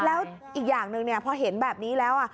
แล้วอีกอย่างหนึ่งพอเห็นแบบนี้แล้ว